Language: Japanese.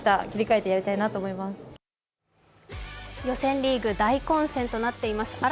予選リーグ大混戦となっております。